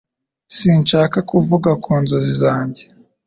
Sinshaka kuvuga ku nzozi zanjye